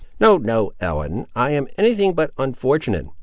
"No, no, Ellen, I am any thing but unfortunate.